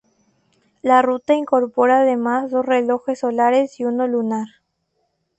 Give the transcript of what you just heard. La ruta incorpora además dos relojes solares y uno lunar.